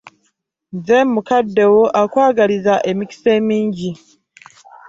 Nze mukadde wo akwagaliza emikisa emingi.